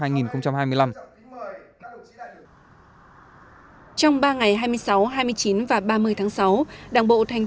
nhiệm ký hai nghìn hai mươi hai nghìn hai mươi năm hội đồng needs đã tiếp xúc vụ trả lời tại about time hnic